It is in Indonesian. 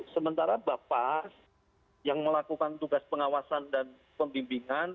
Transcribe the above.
sementara bapak yang melakukan tugas pengawasan dan pembimbingan